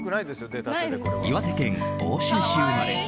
岩手県奥州市生まれ。